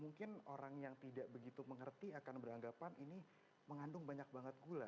mungkin orang yang tidak begitu mengerti akan beranggapan ini mengandung banyak banget gula